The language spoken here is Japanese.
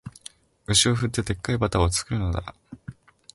牛を振って、デッカいバターを作るのだ